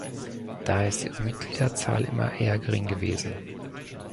Daher ist ihre Mitgliederzahl immer eher gering gewesen.